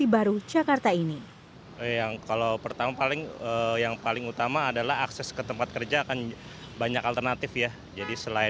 berikut laporannya untuk anda